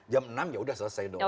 jam enam ya sudah selesai dong